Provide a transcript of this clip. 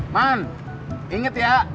man inget ya